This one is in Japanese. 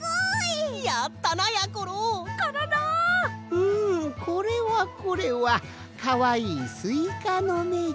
うんこれはこれはかわいいスイカのめじゃ。